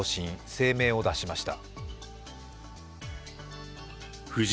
声明を出しました。